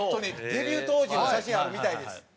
デビュー当時の写真あるみたいです。